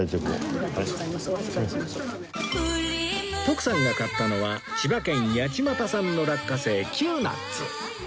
徳さんが買ったのは千葉県八街産の落花生 Ｑ なっつ